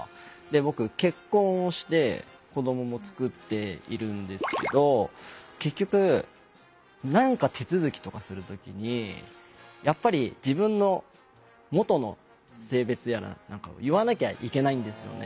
僕結婚をして子どももつくっているんですけど結局何か手続きとかする時にやっぱり自分の元の性別やら何かを言わなきゃいけないんですよね。